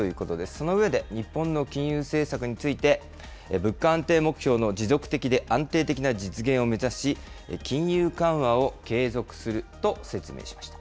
その上で、日本の金融政策について、物価安定目標の持続的で安定的な実現を目指し、金融緩和を継続すると説明しました。